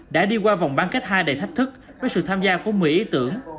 đã đi qua vòng bán kết hai đầy thách thức với sự tham gia của một mươi ý tưởng